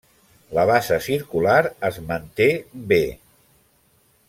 La bassa circular es manté bé.